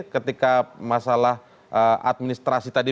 ketika masalah administrasi tadi